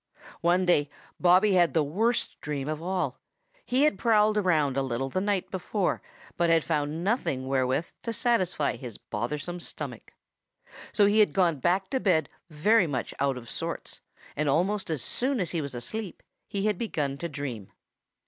One day Bobby had the worst dream of all. He had prowled around a little the night before but had found nothing wherewith to satisfy his bothersome stomach. So he had gone back to bed very much out of sorts and almost as soon as he was asleep he had begun to dream.